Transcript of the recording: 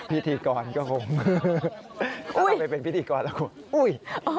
พิธีกรก็คงจะไปเป็นพิธีกรแล้วคุณอุ้ย